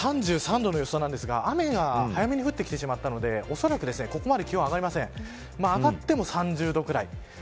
３３度の予想なんですが雨が早めに降ってきてしまったのでおそらくここまで気温が上がりません。